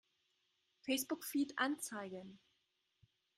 Facebook-Feed anzeigen!